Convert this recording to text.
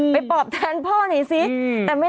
ไปปลอบแทนพ่อนดีกว่าสิ